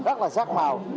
rất là sát màu